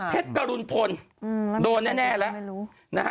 เทศกรุณพลโดนแน่แล้ว